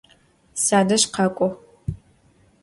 Sadej khak'o!